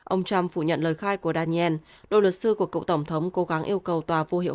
ông trump phủ nhận lời khai của daniel đội sư của cựu tổng thống cố gắng yêu cầu tòa vô hiệu